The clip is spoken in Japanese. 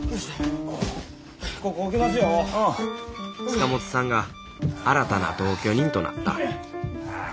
塚本さんが新たな同居人となったあ